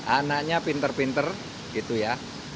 anaknya pinter pinter gitu ya